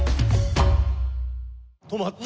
止まった！